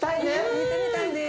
見てみたいです。